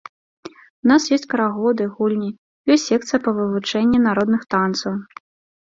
У нас ёсць карагоды, гульні, ёсць секцыя па вывучэнні народных танцаў.